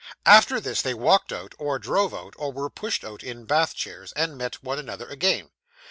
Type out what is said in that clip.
After this, they walked out, or drove out, or were pushed out in bath chairs, and met one another again.